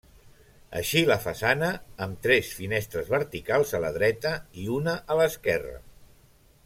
Així la façana, amb tres finestres verticals a la dreta i una a l'esquerra.